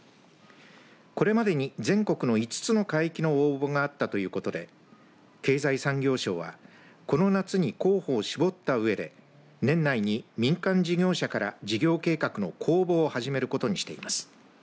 これまでに全国の５つの海域の応募があったということで経済産業省はこの夏に候補を絞ったうえで年内に民間事業者から事業計画の公募を始めることにしています。